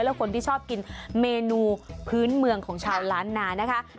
และคนที่ชอบกินเมนูพื้นเมืองของชาวล้านนานะคะ